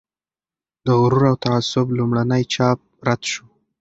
د "غرور او تعصب" لومړنی چاپ رد شو.